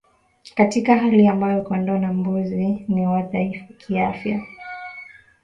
Katika hali ambapo kondoo na mbuzi ni wadhaifu kiafya